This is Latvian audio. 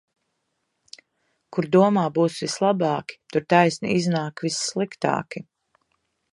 Kur domā būs vislabāki, tur taisni iznāk vissliktāki.